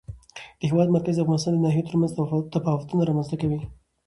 د هېواد مرکز د افغانستان د ناحیو ترمنځ تفاوتونه رامنځته کوي.